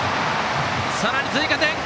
さらに追加点！